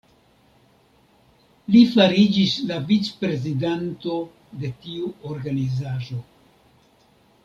Li fariĝis la vicprezidanto de tiu organizaĵo.